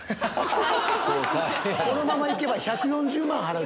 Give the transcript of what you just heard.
このまま行けば１４０万払う。